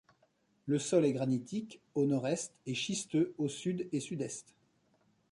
Le sol est granitique au nord-est et schisteux au sud et sud-est.